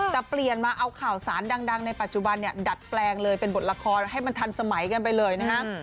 แต่เปลี่ยนมาเอาข่าวสารดังในปัจจุบันเนี่ยดัดแปลงเลยเป็นบทละครให้มันทันสมัยกันไปเลยนะฮะ